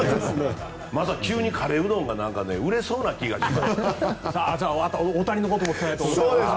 また急にカレーうどんが売れそうな気がします。